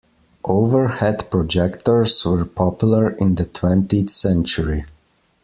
Overhead projectors were popular in the twentieth century.